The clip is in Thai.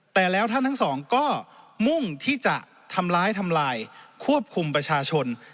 แต่แล้วท่านทั้งสองก็มุ่งที่จะทำร้ายทำลายควบคุมประชาชน